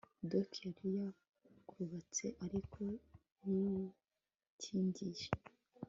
doki yari yarubatse ariko yikingije